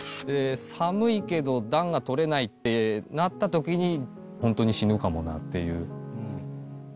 寒いけど暖が取れないってなった時にホントに死ぬかもなっていう。